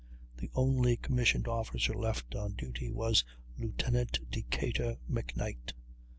The only commissioned officer left on duty was Lieutenant Decatur McKnight.